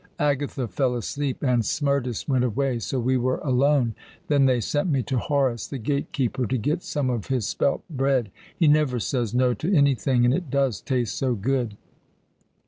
Agatha fell asleep and Smerdis went away, so we were alone. Then they sent me to Horus, the gate keeper, to get some of his spelt bread. He never says no to anything, and it does taste so good.